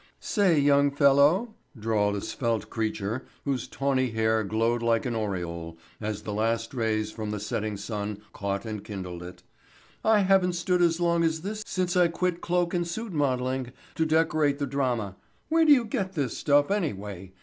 "Say, young fellow," drawled a svelte creature whose tawny hair glowed like an aureole as the last rays from the setting sun caught and kindled it, "I haven't stood as long as this since I quit cloak and suit modeling to decorate the drama. Where do you get this stuff anyway?